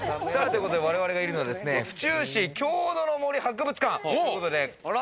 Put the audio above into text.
我々がいるのは府中市郷土の森博物館ということで。